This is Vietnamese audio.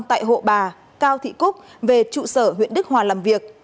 tại hộ bà cao thị cúc về trụ sở huyện đức hòa làm việc